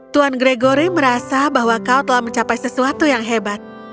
tuan gregory merasa bahwa kau telah mencapai sesuatu yang hebat